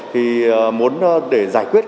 thì muốn để giải quyết